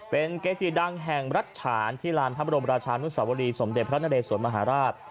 เป็นเกจิดังแห่งรัฐฉานที่ลานพระบรมราชานุสวรีสมเด็จพระนเรสวนมหาราช